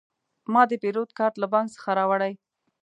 ما د پیرود کارت له بانک څخه راوړی.